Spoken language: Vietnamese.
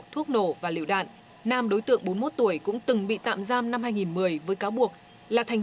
thuốc nổ và liệu đạn nam đối tượng bốn mươi một tuổi cũng từng bị tạm giam năm hai nghìn một mươi với cáo buộc là thành